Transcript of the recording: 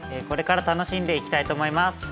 これから楽しんでいきたいと思います！